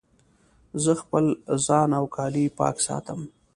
زه خپل ځان او کالي پاک ساتم.